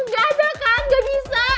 gak ada kan gak bisa